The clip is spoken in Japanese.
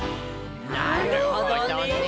なるほどね。